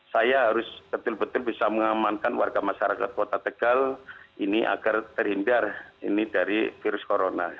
saya harus betul betul bisa mengamankan warga masyarakat kota tegal ini agar terhindar ini dari virus corona